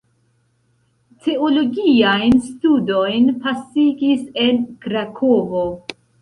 Teologiajn studojn pasigis en Krakovo.